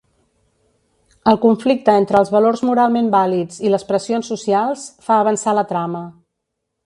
El conflicte entre els valors moralment vàlids i les pressions socials fa avançar la trama.